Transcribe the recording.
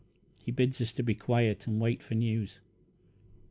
He bids us to be quiet and to wait for news."